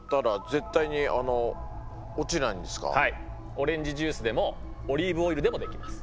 オレンジジュースでもオリーブオイルでもできます。